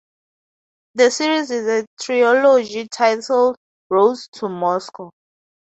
The series is a trilogy titled "Roads to Moscow".